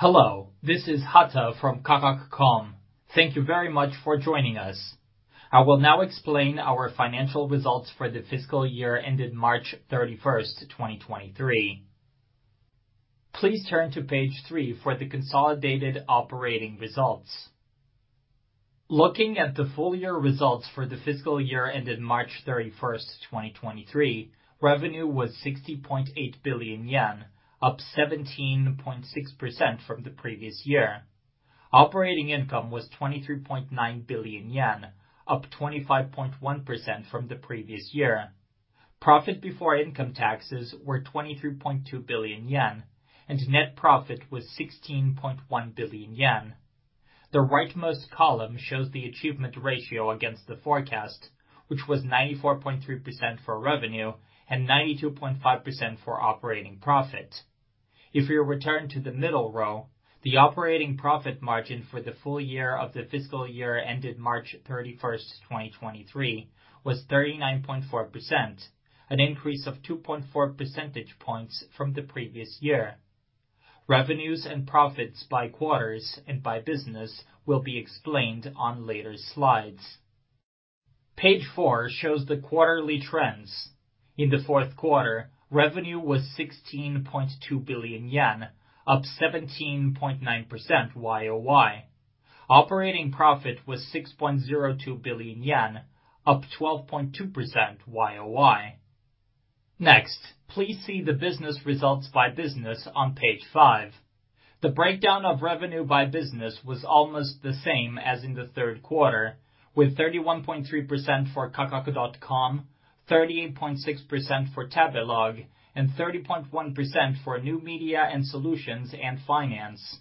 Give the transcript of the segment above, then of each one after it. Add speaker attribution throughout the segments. Speaker 1: Hello, this is Hata from Kakaku.com. Thank you very much for joining us. I will now explain our financial results for the fiscal year ended March 31st, 2023. Please turn to page 3 for the consolidated operating results. Looking at the full year results for the fiscal year ended March 31st, 2023, revenue was 60.8 billion yen, up 17.6% from the previous year. Operating income was 23.9 billion yen, up 25.1% from the previous year. Profit before income taxes were 23.2 billion yen, and net profit was 16.1 billion yen. The rightmost column shows the achievement ratio against the forecast, which was 94.3% for revenue and 92.5% for operating profit. If you return to the middle row, the operating profit margin for the full year of the fiscal year ended March 31st, 2023 was 39.4%, an increase of 2.4 percentage points from the previous year. Revenues and profits by quarters and by business will be explained on later slides. Page four shows the quarterly trends. In the Q4, revenue was 16.2 billion yen, up 17.9% YoY. Operating profit was 6.02 billion yen, up 12.2% YoY. Please see the business results by business on page five. The breakdown of revenue by business was almost the same as in the Q3, with 31.3% for Kakaku.com, 38.6% for Tabelog, and 30.1% for New Media and Solutions and Finance.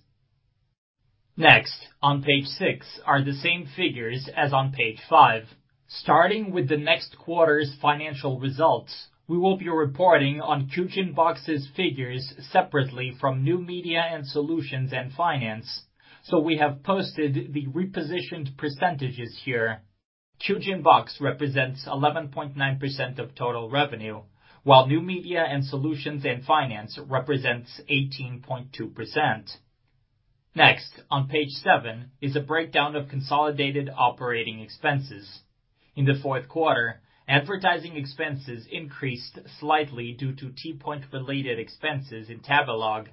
Speaker 1: On page six are the same figures as on page five. Starting with the next quarter's financial results, we will be reporting on Kyujin Box's figures separately from New Media and Solutions and Finance, so we have posted the repositioned percentages here. Kyujin Box represents 11.9% of total revenue, while New Media and Solutions and Finance represents 18.2%. On page seven is a breakdown of consolidated operating expenses. In the Q4, advertising expenses increased slightly due to T Point related expenses in Tabelog,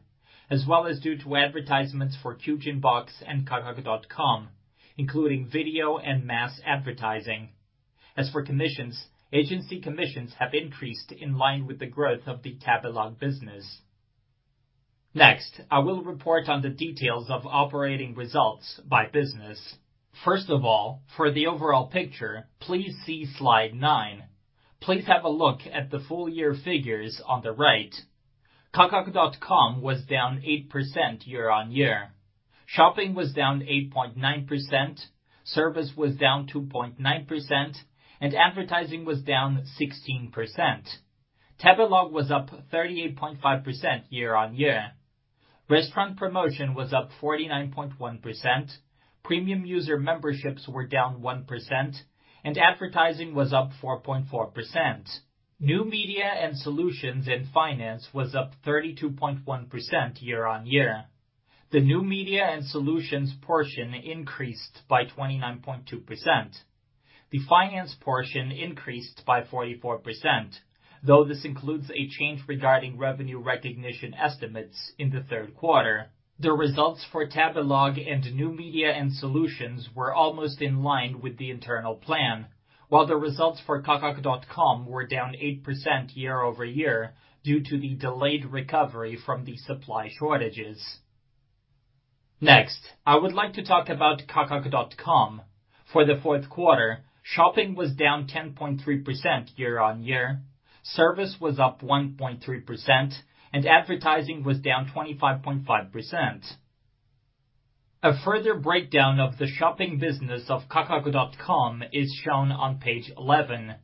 Speaker 1: as well as due to advertisements for Kyujin Box and Kakaku.com, including video and mass advertising. As for commissions, agency commissions have increased in line with the growth of the Tabelog business. I will report on the details of operating results by business. For the overall picture, please see slide nine. Please have a look at the full year figures on the right. Kakaku.com was down 8% year-on-year. Shopping was down 8.9%, service was down 2.9%, and advertising was down 16%. Tabelog was up 38.5% year-on-year. Restaurant promotion was up 49.1%, premium user memberships were down 1%, and advertising was up 4.4%. New Media & Solutions and Finance was up 32.1% year-on-year. The New Media & Solutions portion increased by 29.2%. The Finance portion increased by 44%, though this includes a change regarding revenue recognition estimates in the Q3. The results for Tabelog and New Media & Solutions were almost in line with the internal plan, while the results for Kakaku.com were down 8% year-over-year due to the delayed recovery from the supply shortages. I would like to talk about Kakaku.com. For the Q4, shopping was down 10.3% YoY, service was up 1.3%, and advertising was down 25.5%. A further breakdown of the shopping business of Kakaku.com is shown on page 11.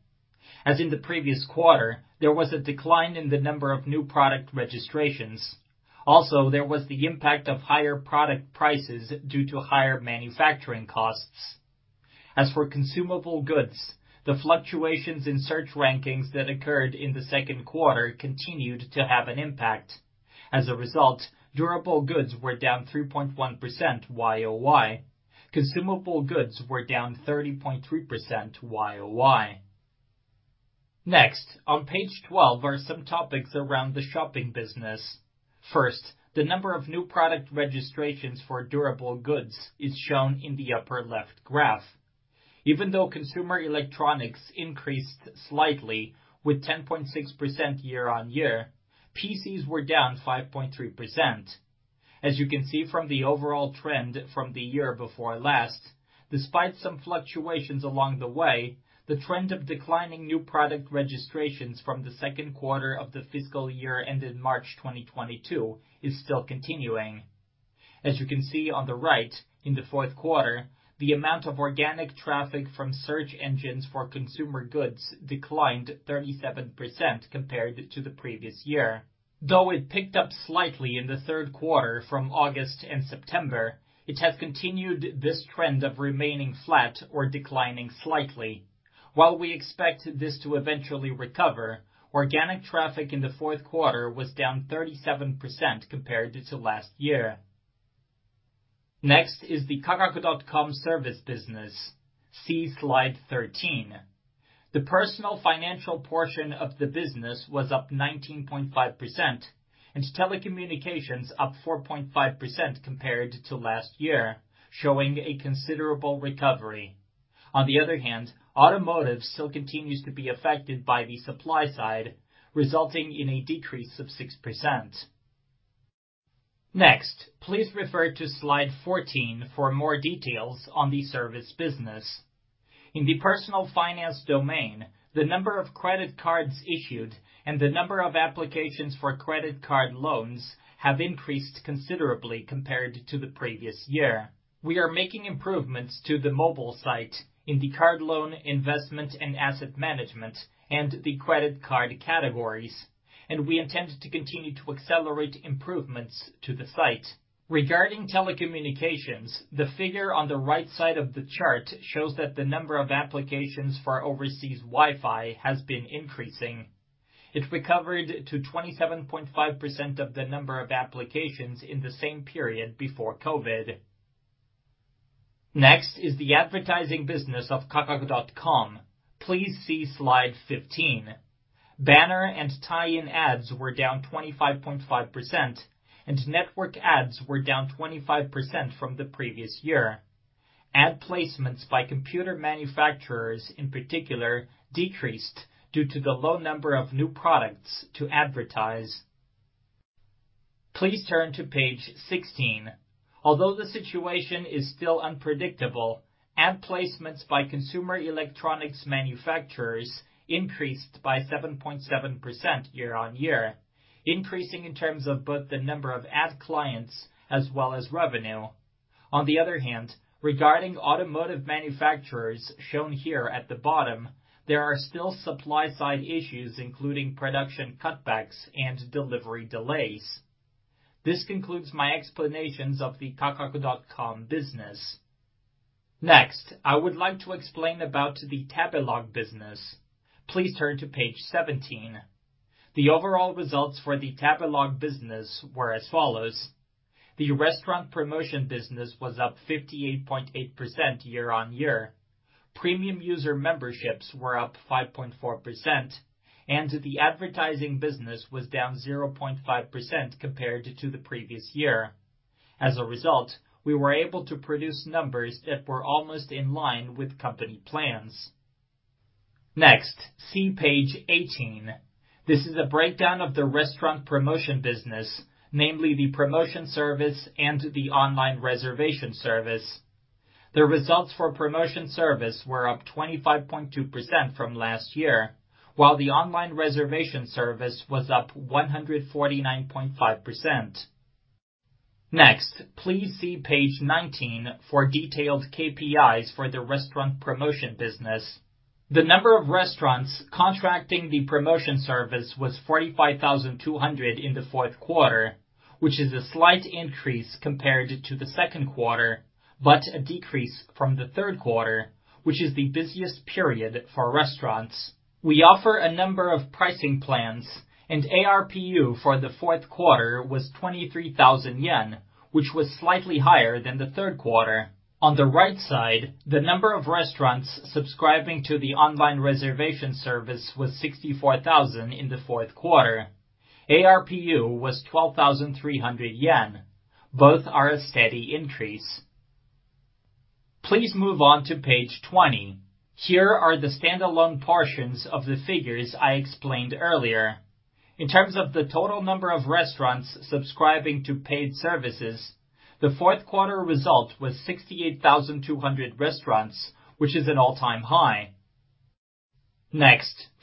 Speaker 1: As in the previous quarter, there was a decline in the number of new product registrations. There was the impact of higher product prices due to higher manufacturing costs. As for consumable goods, the fluctuations in search rankings that occurred in the Q2 continued to have an impact. As a result, durable goods were down 3.1% YoY. Consumable goods were down 30.3% YoY. On page 12 are some topics around the shopping business. First, the number of new product registrations for durable goods is shown in the upper left graph. Even though consumer electronics increased slightly with 10.6% year-on-year, PCs were down 5.3%. As you can see from the overall trend from the year before last, despite some fluctuations along the way, the trend of declining new product registrations from the Q2 of the fiscal year ended March 2022 is still continuing. As you can see on the right, in the Q4, the amount of organic traffic from search engines for consumer goods declined 37% compared to the previous year. Though it picked up slightly in the Q3 from August and September, it has continued this trend of remaining flat or declining slightly. While we expect this to eventually recover, organic traffic in the Q4 was down 37% compared to last year. Next is the Kakaku.com service business. See Slide 13. The personal financial portion of the business was up 19.5% and telecommunications up 4.5% compared to last year, showing a considerable recovery. Automotive still continues to be affected by the supply side, resulting in a decrease of 6%. Please refer to Slide 14 for more details on the service business. In the personal finance domain, the number of credit cards issued and the number of applications for credit card loans have increased considerably compared to the previous year. We are making improvements to the mobile site in the card loan investment and asset management and the credit card categories. We intend to continue to accelerate improvements to the site. Regarding telecommunications, the figure on the right side of the chart shows that the number of applications for overseas Wi-Fi has been increasing. It recovered to 27.5% of the number of applications in the same period before COVID. Next is the advertising business of Kakaku.com. Please see Slide 15. Banner and tie-in ads were down 25.5% and network ads were down 25% from the previous year. Ad placements by computer manufacturers, in particular, decreased due to the low number of new products to advertise. Please turn to Page 16. The situation is still unpredictable, ad placements by consumer electronics manufacturers increased by 7.7% YoY, increasing in terms of both the number of ad clients as well as revenue. Regarding automotive manufacturers shown here at the bottom, there are still supply side issues, including production cutbacks and delivery delays. This concludes my explanations of the Kakaku.com business. I would like to explain about the Tabelog business. Please turn to page 17. The overall results for the Tabelog business were as follows: The restaurant promotion business was up 58.8% year-on-year. Premium user memberships were up 5.4%, and the advertising business was down 0.5% compared to the previous year. As a result, we were able to produce numbers that were almost in line with company plans. Next, see page 18. This is a breakdown of the restaurant promotion business, namely the promotion service and the online reservation service. The results for promotion service were up 25.2% from last year, while the online reservation service was up 149.5%. Next, please see page 19 for detailed KPIs for the restaurant promotion business. The number of restaurants contracting the promotion service was 45,200 in the Q4, which is a slight increase compared to the Q2. A decrease from the Q3, which is the busiest period for restaurants. We offer a number of pricing plans. ARPU for the Q4 was 23,000 yen, which was slightly higher than the Q3. On the right side, the number of restaurants subscribing to the online reservation service was 64,000 in the Q4. ARPU was 12,300 yen. Both are a steady increase. Please move on to page 20. Here are the standalone portions of the figures I explained earlier. In terms of the total number of restaurants subscribing to paid services, the Q4 result was 68,200 restaurants, which is an all-time high.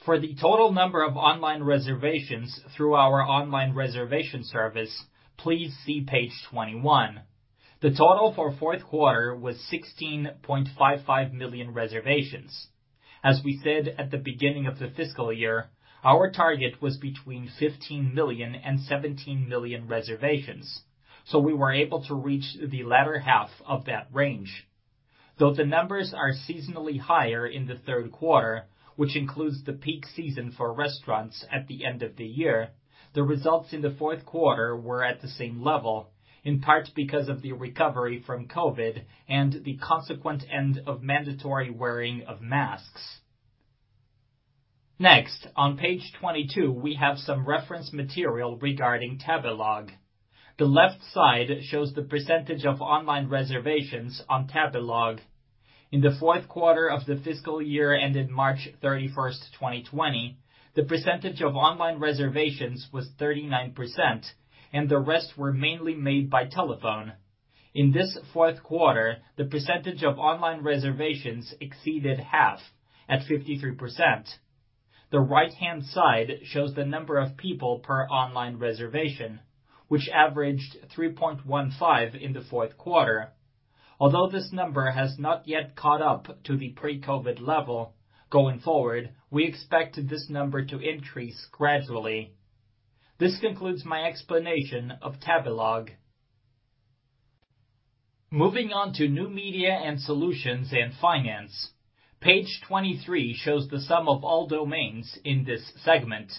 Speaker 1: For the total number of online reservations through our online reservation service, please see page 21. The total for Q4 was 16.55 million reservations. As we said at the beginning of the fiscal year, our target was between 15 million and 17 million reservations, so we were able to reach the latter half of that range. Though the numbers are seasonally higher in the Q3, which includes the peak season for restaurants at the end of the year, the results in the Q4 were at the same level, in part because of the recovery from COVID and the consequent end of mandatory wearing of masks. On page 22, we have some reference material regarding Tabelog. The left side shows the percentage of online reservations on Tabelog. In the Q4 of the fiscal year ended March 31st, 2020, the percentage of online reservations was 39% and the rest were mainly made by telephone. In this Q4, the percentage of online reservations exceeded half at 53%. The right-hand side shows the number of people per online reservation, which averaged 3.15 in the Q4. Although this number has not yet caught up to the pre-COVID level, going forward, we expect this number to increase gradually. This concludes my explanation of Tabelog. Moving on to New Media and Solutions and Finance. Page 23 shows the sum of all domains in this segment.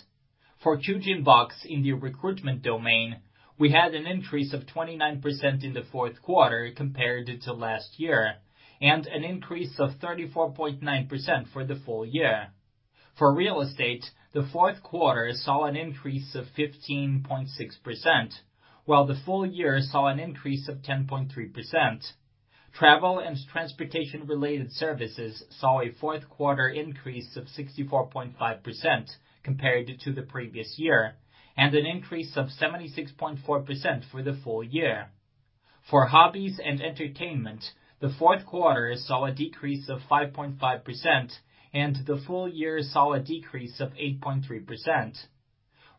Speaker 1: For Kyujin Box in the recruitment domain, we had an increase of 29% in the Q4 compared to last year, and an increase of 34.9% for the full year. For real estate, the Q4 saw an increase of 15.6%, while the full year saw an increase of 10.3%. Travel and transportation-related services saw a Q4 increase of 64.5% compared to the previous year, and an increase of 76.4% for the full year. For hobbies and entertainment, the Q4 saw a decrease of 5.5%, and the full year saw a decrease of 8.3%.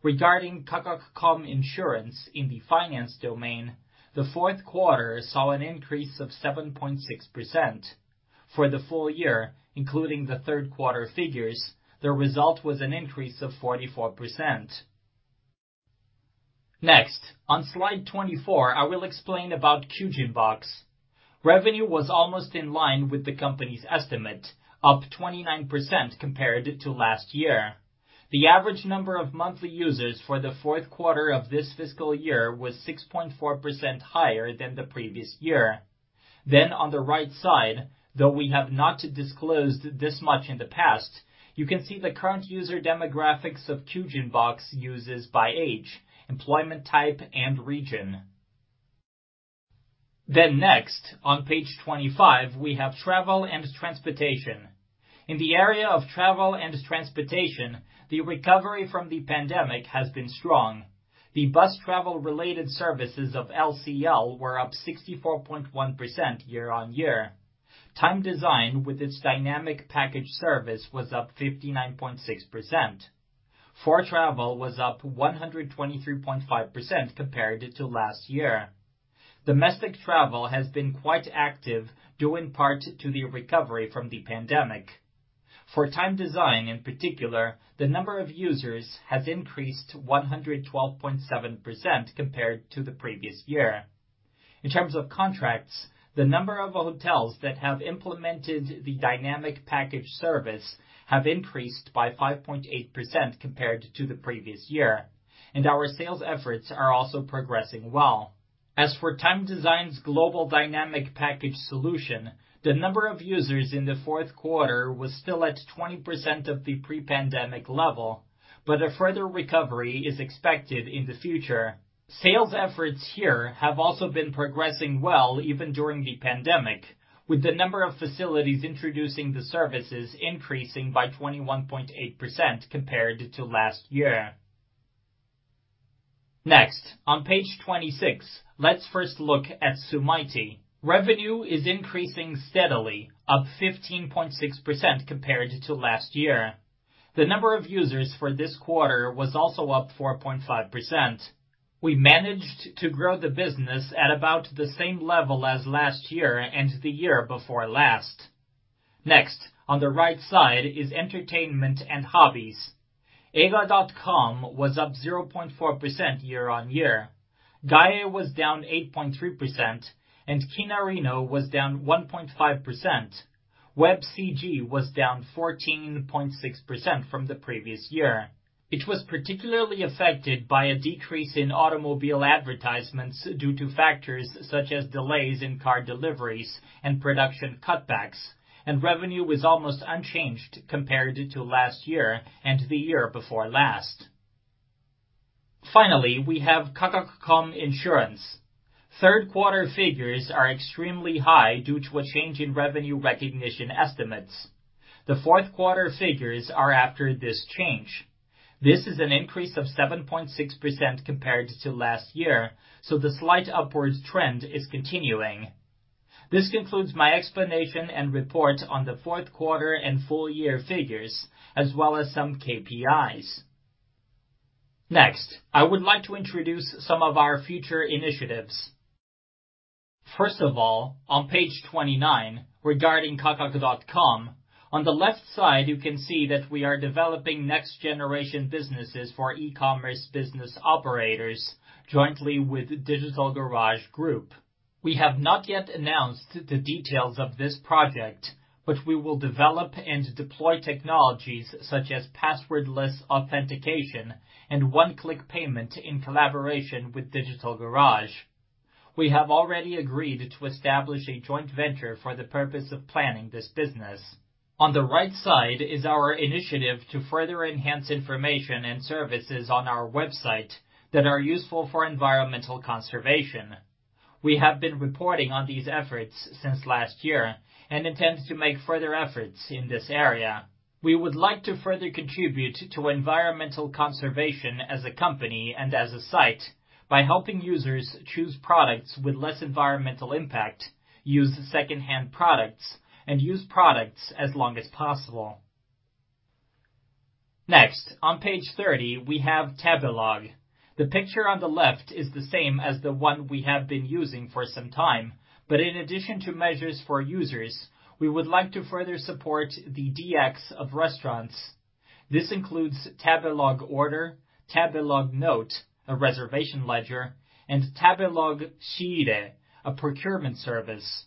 Speaker 1: Regarding Kakaku.com Insurance in the finance domain, the Q4 saw an increase of 7.6%. For the full year, including the Q3 figures, the result was an increase of 44%. On slide 24, I will explain about Kyujin Box. Revenue was almost in line with the company's estimate, up 29% compared to last year. The average number of monthly users for the Q4 of this fiscal year was 6.4% higher than the previous year. On the right side, though we have not disclosed this much in the past, you can see the current user demographics of Kyujin Box users by age, employment type, and region. Next, on page 25, we have travel and transportation. In the area of travel and transportation, the recovery from the pandemic has been strong. The bus travel-related services of LCL were up 64.1% YoY. Time Design, with its Dynamic Package service, was up 59.6%. 4travel, was up 123.5% compared to last year. Domestic travel has been quite active due in part to the recovery from the pandemic. For Time Design, in particular, the number of users has increased 112.7% compared to the previous year. In terms of contracts, the number of hotels that have implemented the Dynamic Package service have increased by 5.8% compared to the previous year. Our sales efforts are also progressing well. As for Time Design's global Dynamic Package solution, the number of users in the Q4 was still at 20% of the pre-pandemic level. A further recovery is expected in the future. Sales efforts here have also been progressing well even during the pandemic, with the number of facilities introducing the services increasing by 21.8% compared to last year. On page 26, let's first look at Sumaity. Revenue is increasing steadily, up 15.6% compared to last year. The number of users for this quarter was also up 4.5%. We managed to grow the business at about the same level as last year and the year before last. Next, on the right side is entertainment and hobbies. eiga.com was up 0.4% year-on-year. Gaea was down 8.3%, and Kinarino was down 1.5%. WebCG was down 14.6% from the previous year. It was particularly affected by a decrease in automobile advertisements due to factors such as delays in car deliveries and production cutbacks, and revenue was almost unchanged compared to last year and the year before last. Finally, we have Kakaku.com Insurance. Third-quarter figures are extremely high due to a change in revenue recognition estimates. The Q4 figures are after this change. This is an increase of 7.6% compared to last year. The slight upward trend is continuing. This concludes my explanation and report on the Q4 and full year figures, as well as some KPIs. I would like to introduce some of our future initiatives. First of all, on page 29, regarding Kakaku.com, on the left side, you can see that we are developing next generation businesses for e-commerce business operators jointly with Digital Garage Group. We have not yet announced the details of this project, but we will develop and deploy technologies such as passwordless authentication and one-click payment in collaboration with Digital Garage. We have already agreed to establish a joint venture for the purpose of planning this business. On the right side is our initiative to further enhance information and services on our website that are useful for environmental conservation. We have been reporting on these efforts since last year and intend to make further efforts in this area. We would like to further contribute to environmental conservation as a company and as a site by helping users choose products with less environmental impact, use second-hand products, and use products as long as possible. On page 30, we have Tabelog. The picture on the left is the same as the one we have been using for some time. In addition to measures for users, we would like to further support the DX of restaurants. This includes Tabelog Order, Tabelog Note, a reservation ledger, and Tabelog Shiire, a procurement service.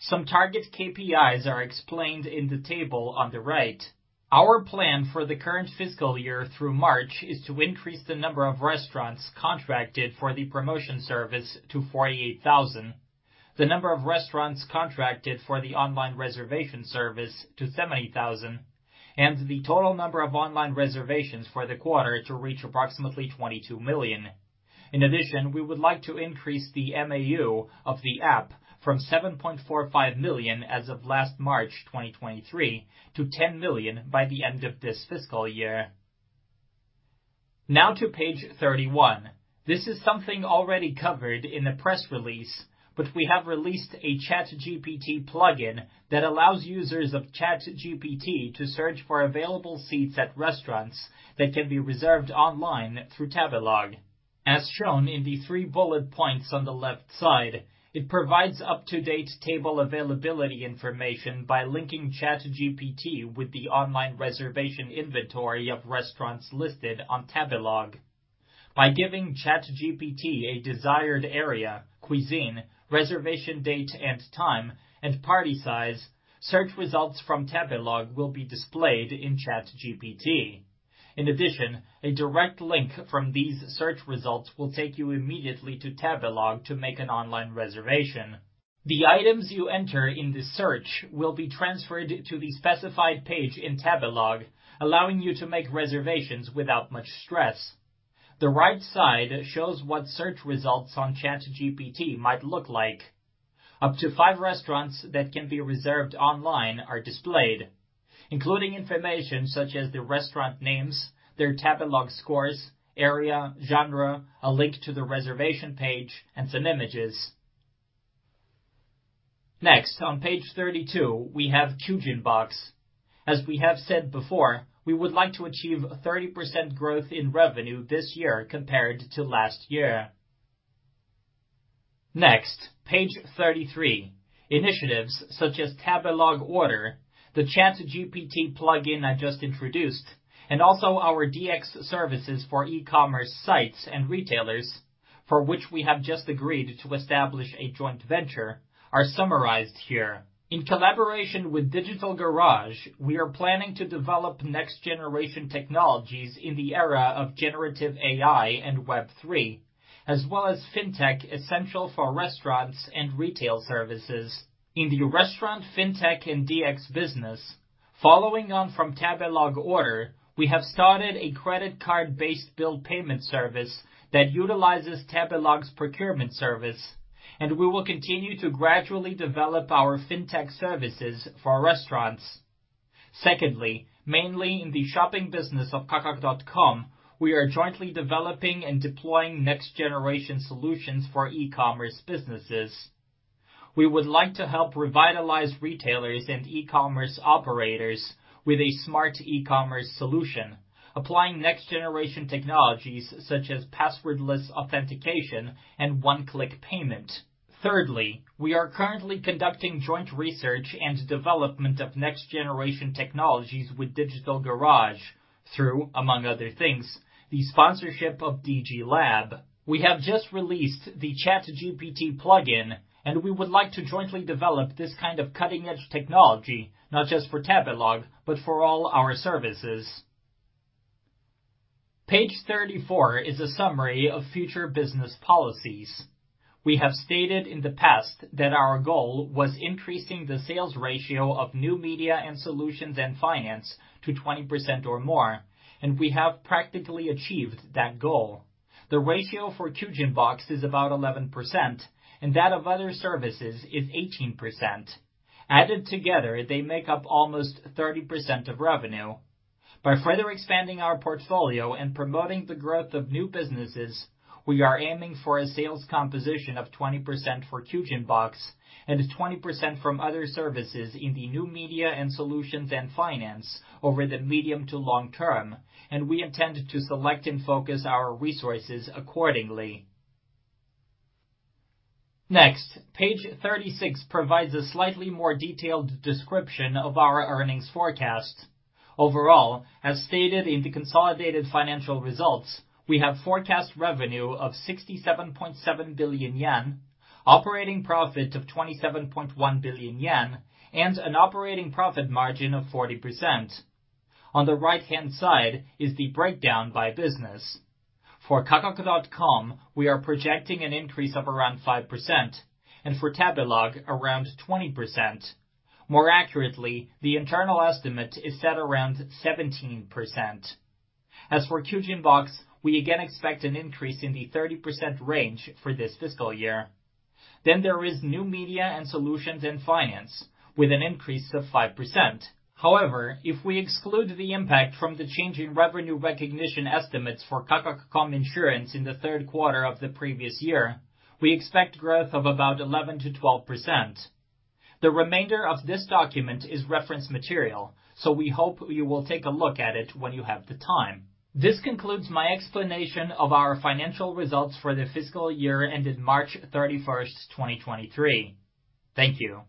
Speaker 1: Some target KPIs are explained in the table on the right. Our plan for the current fiscal year through March is to increase the number of restaurants contracted for the promotion service to 48,000. The number of restaurants contracted for the online reservation service to 70,000, the total number of online reservations for the quarter to reach approximately 22 million. In addition, we would like to increase the MAU of the app from 7.45 million as of last March 2023 to 10 million by the end of this fiscal year. Now to page 31. This is something already covered in the press release, we have released a ChatGPT plugin that allows users of ChatGPT to search for available seats at restaurants that can be reserved online through Tabelog. As shown in the three bullet points on the left side, it provides up-to-date table availability information by linking ChatGPT with the online reservation inventory of restaurants listed on Tabelog. By giving ChatGPT a desired area, cuisine, reservation date and time, and party size, search results from Tabelog will be displayed in ChatGPT. In addition, a direct link from these search results will take you immediately to Tabelog to make an online reservation. The items you enter in the search will be transferred to the specified page in Tabelog, allowing you to make reservations without much stress. The right side shows what search results on ChatGPT might look like. Up to five restaurants that can be reserved online are displayed, including information such as the restaurant names, their Tabelog scores, area, genre, a link to the reservation page, and some images. On page 32, we have Kyujin Box. As we have said before, we would like to achieve a 30% growth in revenue this year compared to last year. Page 33. Initiatives such as Tabelog Order, the ChatGPT plugin I just introduced, and also our DX services for e-commerce sites and retailers, for which we have just agreed to establish a joint venture are summarized here. In collaboration with Digital Garage, we are planning to develop next generation technologies in the era of generative AI and Web3, as well as fintech essential for restaurants and retail services. In the restaurant fintech and DX business, following on from Tabelog Order, we have started a credit card-based bill payment service that utilizes Tabelog's procurement service, and we will continue to gradually develop our fintech services for restaurants. Secondly, mainly in the shopping business of Kakaku.com, we are jointly developing and deploying next generation solutions for e-commerce businesses. We would like to help revitalize retailers and e-commerce operators with a smart e-commerce solution, applying next generation technologies such as passwordless authentication and one-click payment. Thirdly, we are currently conducting joint research and development of next generation technologies with Digital Garage through, among other things, the sponsorship of DG Lab. We have just released the ChatGPT plugin, and we would like to jointly develop this kind of cutting-edge technology, not just for Tabelog, but for all our services. Page 34 is a summary of future business policies. We have stated in the past that our goal was increasing the sales ratio of New Media and Solutions and finance to 20% or more, and we have practically achieved that goal. The ratio for Kyujin Box is about 11%, and that of other services is 18%. Added together, they make up almost 30% of revenue. By further expanding our portfolio and promoting the growth of new businesses, we are aiming for a sales composition of 20% for Kyujin Box and 20% from other services in the New Media and Solutions and finance over the medium to long term, and we intend to select and focus our resources accordingly. Page 36 provides a slightly more detailed description of our earnings forecast. Overall, as stated in the consolidated financial results, we have forecast revenue of 67.7 billion yen, operating profit of 27.1 billion yen, and an operating profit margin of 40%. On the right-hand side is the breakdown by business. For Kakaku.com, we are projecting an increase of around 5%, and for Tabelog, around 20%. More accurately, the internal estimate is set around 17%. As for Kyujin Box, we again expect an increase in the 30% range for this fiscal year. There is New Media and Solutions and finance with an increase of 5%. However, if we exclude the impact from the change in revenue recognition estimates for Kakaku.com Insurance in the Q3 of the previous year, we expect growth of about 11%-12%. The remainder of this document is reference material, so we hope you will take a look at it when you have the time. This concludes my explanation of our financial results for the fiscal year ended March 31, 2023. Thank you.